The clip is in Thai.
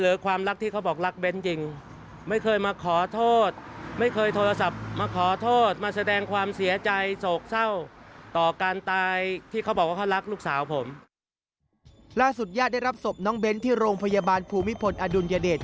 ญาติญาติได้รับศพน้องเบ้นที่โรงพยาบาลภูมิพลอดุลยเดช